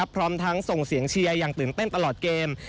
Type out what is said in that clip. พร้อมทั้งส่งเสียงเชียร์อย่างตื่นเต้นตลอดเกม